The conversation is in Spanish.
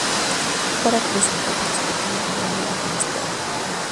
Se realizó para presentar su disco Último bondi a Finisterre.